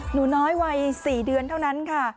หนูน้อยวัย๔เดือนเท่านั้นค่ะ